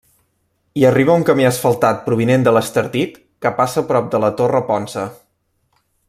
Hi arriba un camí asfaltat provinent de l'Estartit que passa prop de la Torre Ponça.